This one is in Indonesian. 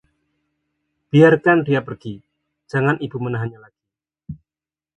biarkan dia pergi, jangan Ibu menahannya lagi